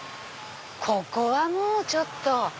ここはもうちょっと。